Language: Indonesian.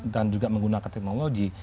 dan juga menggunakan teknologi